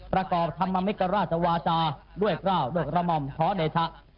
ประกอบธรรมมกันราชวาจาด้วยเกล้าดึกระหม่อมของเดชะ